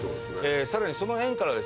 さらにその縁からですね